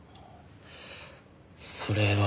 それは。